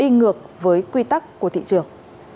ngược với quy tắc của thị trường